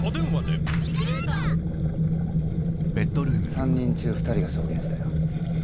３人中２人が証言したよ。